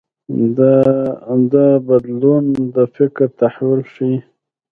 دا بدلون د فکر تحول ښيي.